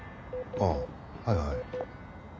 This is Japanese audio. ああはいはい。